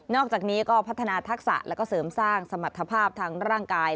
อกจากนี้ก็พัฒนาทักษะแล้วก็เสริมสร้างสมรรถภาพทางร่างกาย